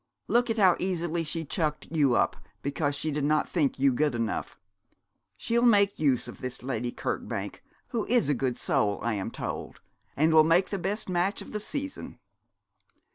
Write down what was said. Look how easily she chucked you up because she did not think you good enough. She'll make use of this Lady Kirkbank, who is a good soul, I am told, and will make the best match of the season.'